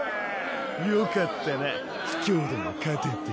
よかったな卑怯でも勝てて。